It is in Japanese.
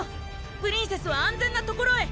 プリンセスは安全な所へ！